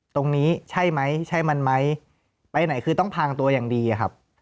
ตรงนี้ใช่ไหมใช่มันไหมไปไหนคือต้องพังตัวอย่างดีอะครับ